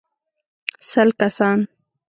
سل کسان.